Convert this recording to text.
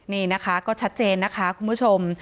นี่นะคะก็ชัดเจนนะคะคุณผู้ชม